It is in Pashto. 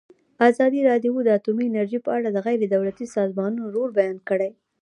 ازادي راډیو د اټومي انرژي په اړه د غیر دولتي سازمانونو رول بیان کړی.